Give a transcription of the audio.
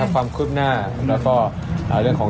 ความคืบหน้าแล้วก็เรื่องของ